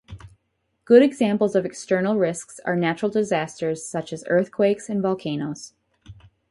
Good examples of external risks are natural disasters such as earthquakes and volcanoes.